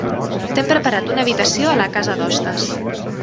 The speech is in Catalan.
T'hem preparat una habitació a la casa d'hostes.